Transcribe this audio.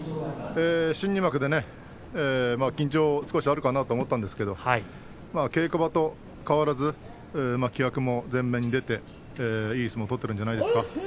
新入幕で緊張してるかなと思ったんですが稽古場と変わらず気迫も前面に出て、いい相撲を取っているんじゃないですか。